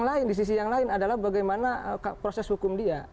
yang lain di sisi yang lain adalah bagaimana proses hukum dia